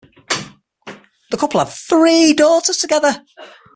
The couple had three daughters together.